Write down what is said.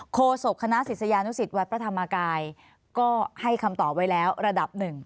โศกคณะศิษยานุสิตวัดพระธรรมกายก็ให้คำตอบไว้แล้วระดับหนึ่ง